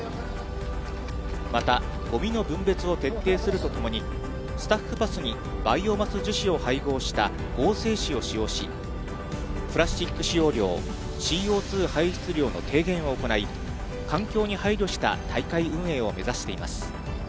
また、ごみの分別を徹底するとともに、スタッフパスにバイオマス樹脂を配合した合成紙を使用し、プラスチック使用量、ＣＯ２排出量の低減を行い、環境に配慮した大会運営を目指しています。